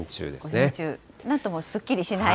なんともすっきりしない。